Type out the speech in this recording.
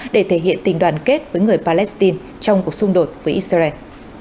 để thể hiện tình đoàn kết với người palestine trong cuộc xung đột với israel